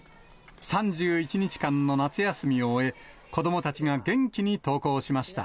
３１日間の夏休みを終え、子どもたちが元気に登校しました。